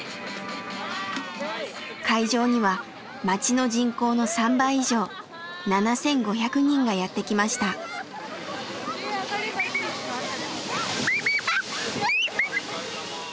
会場には町の人口の３倍以上７，５００人がやって来ました。と思って来ました。